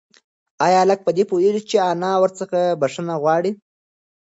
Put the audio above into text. ایا هلک په دې پوهېږي چې انا ورڅخه بښنه غواړي؟